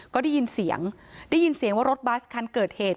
ก็ได้ยินเสียงได้ยินเสียงว่ารถบัสคันเกิดเหตุ